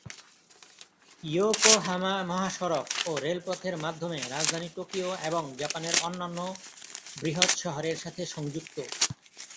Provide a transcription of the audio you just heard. Yokohama মহাসড়ক ও রেলপথের মাধ্যমে রাজধানী টোকিও এবং জাপানের অন্যান্য বৃহৎ শহরের সাথে সংযুক্ত।